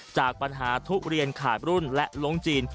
จากปัญหาทุเรียนขาดรุ่นและลงจีน